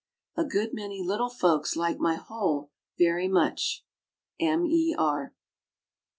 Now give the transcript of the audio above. A good many little folks like my whole very much. M. E. R.